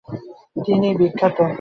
তিনি পুনরায় ক্ষমতা পান।